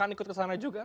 akan ikut ke sana juga